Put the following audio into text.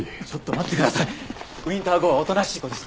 ウィンター号はおとなしい子です。